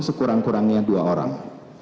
sekurang kurangnya dua orang